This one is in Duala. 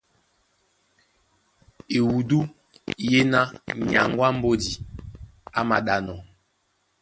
Ewudú yéná nyaŋgó á mbódi á māɗánɔ́,